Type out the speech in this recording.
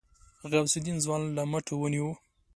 غوث الدين ځوان له مټه ونيو.